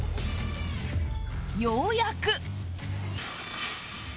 ようやく